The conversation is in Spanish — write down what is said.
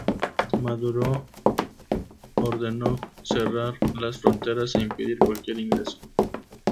Maduro ordenó cerrar las fronteras e impedir cualquier ingreso.